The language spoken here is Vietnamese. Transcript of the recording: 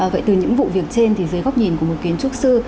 vậy từ những vụ việc trên thì dưới góc nhìn của một kiến trúc sư